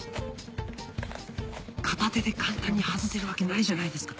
片手で簡単に外せるわけないじゃないですか。